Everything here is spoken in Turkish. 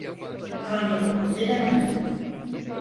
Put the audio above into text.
Tanrım, yine mi?